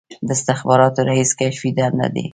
د استخباراتو رییس کشفي دنده لري